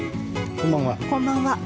こんばんは。